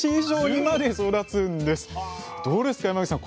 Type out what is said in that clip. どうですか山口さん！